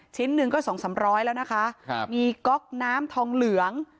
ชิ้นหนึ่งก็๒๓๐๐บาทแล้วนะคะมีก๊อกน้ำทองเหลือง